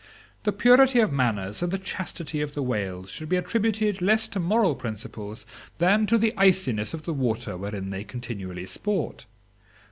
The purity of manners and the chastity of the whales should be attributed less to moral principles than to the iciness of the water wherein they continually sport.